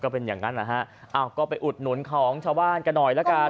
เป็นอย่างนั้นนะฮะอ้าวก็ไปอุดหนุนของชาวบ้านกันหน่อยละกัน